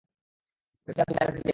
ভেবেছিলাম তুমি আরেকটা দিয়ে খেলবে।